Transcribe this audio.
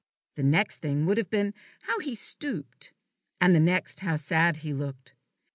The next thing would have been, how he stooped; and the next, how sad he looked.